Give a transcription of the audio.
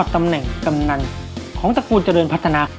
ดูแล้วคงไม่รอดเพราะเราคู่กัน